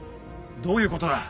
どういうことだ